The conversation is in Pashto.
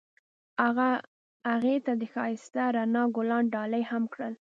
هغه هغې ته د ښایسته رڼا ګلان ډالۍ هم کړل.